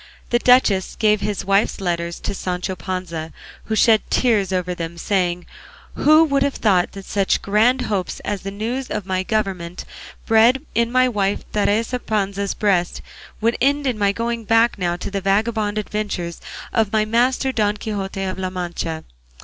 The duchess gave his wife's letters to Sancho Panza, who shed tears over them, saying, "Who would have thought that such grand hopes as the news of my government bred in my wife Teresa Panza's breast would end in my going back now to the vagabond adventures of my master Don Quixote of La Mancha?